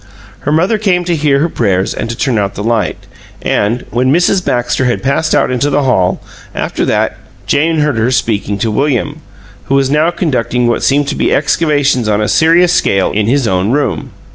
Her mother came to hear her prayers and to turn out the light; and when Mrs. Baxter had passed out into the hall, after that, Jane heard her speaking to William, who was now conducting what seemed to be excavations on a serious scale in his own room.